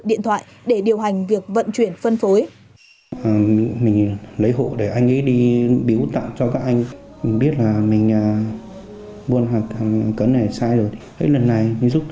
điện thoại để điều hành việc vận chuyển phân phối